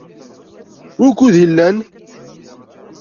Wukud llan?